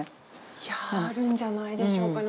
あるんじゃないでしょうかね。